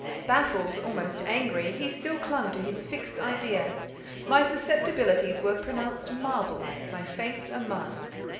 Baffled—almost angry—he still clung to his fixed idea; my susceptibilities were pronounced marble—my face a mask.